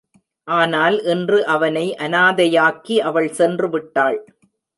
ஆனால் இன்று அவனை அனாதையாக்கி, அவள் சென்று விட்டாள்.